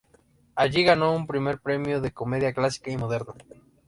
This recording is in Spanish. Allí ganó un primer premio de comedia clásica y moderna.